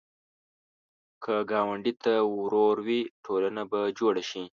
که ګاونډي ته ورور وې، ټولنه به جوړه شي